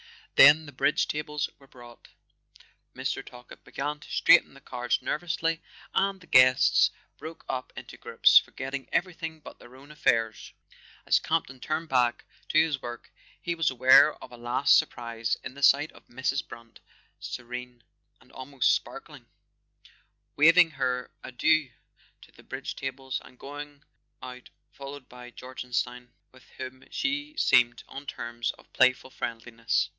Then the bridge tables were brought, Mr. Talkett began to straighten the cards nervously, and the guests broke up into groups, forgetting everything but their own affairs. As Campton turned back to his work he was aware of a last surprise in the sight of Mrs. Brant serene and almost sparkling, weaving her adieux to the bridge tables, and going out followed by Jorgenstein, with whom she seemed on terms of playful friendliness.